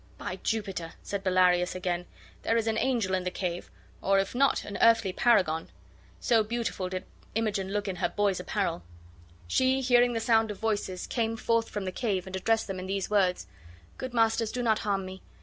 "By Jupiter!" said Bellarius, again, "there is an angel in the cave, or if not, an earthly paragon." So beautiful did Imogen look in her boy's apparel. She, hearing the sound of voices, came forth from the cave and addressed them in these words: "Good masters, do not harm me.